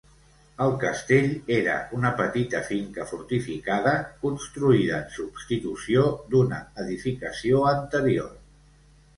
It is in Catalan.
El castell era una petita finca fortificada, construïda en substitució d'una edificació anterior.